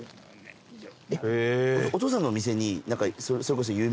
お父さんのお店にそれこそ。